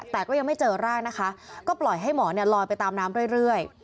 แต่ก็ยังไม่เจอร่างนะคะก็ปล่อยให้หมอลอยไปตามน้ำเรื่อย